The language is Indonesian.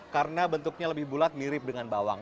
karena bentuknya lebih bulat mirip dengan bawang